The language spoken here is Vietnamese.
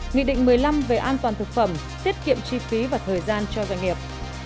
nghị định một mươi năm về an toàn thực phẩm tiết kiệm chi phí và thời gian cho doanh nghiệp